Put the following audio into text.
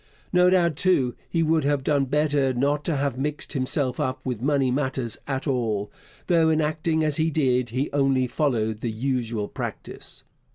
No doubt, too, he would have done better not to have mixed himself up with money matters at all, though in acting as he did he only followed the usual practice.